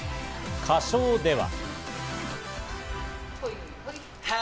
歌唱では。